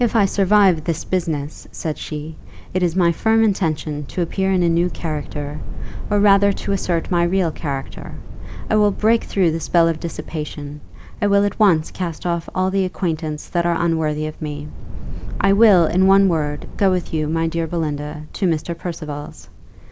"If I survive this business," said she, "it is my firm intention to appear in a new character, or rather to assert my real character. I will break through the spell of dissipation I will at once cast off all the acquaintance that are unworthy of me I will, in one word, go with you, my dear Belinda, to Mr. Percival's.